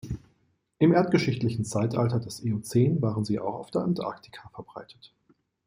Im erdgeschichtlichen Zeitalter des Eozän waren sie auch auf Antarktika verbreitet.